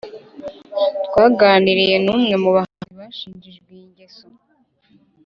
twaganiriye n'umwe mu bahanzi bashinjijwe iyi ngeso